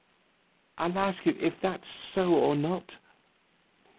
I'll ask you if that's so or not?"